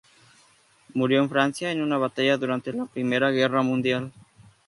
Murió en Francia, en una batalla durante la Primera Guerra Mundial.